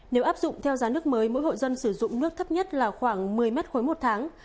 nếu áp dụng theo giá nước mới mỗi hội dân sử dụng nước thấp nhất là khoảng một mươi mét khối một tháng